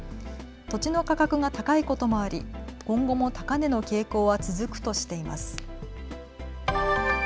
土地の価格が高いこともあり今後も高値の傾向は続くとしています。